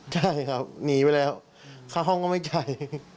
ใช่ครับหนีไปแล้วเข้าห้องก็ไม่ใจ